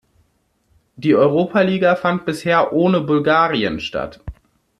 Die Europaliga fand bisher ohne Bulgarien statt.